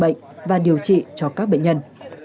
bệnh và điều trị cho các bệnh nhân